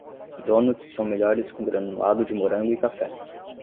Donuts são melhores com granulado de morango e café.